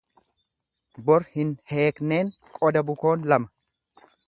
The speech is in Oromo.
Bor hin heekneen qoda bukoon lama.